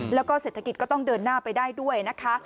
แล้วก็เศรษฐกิจก็ต้องเดินหน้าไปได้ด้วยนะคะ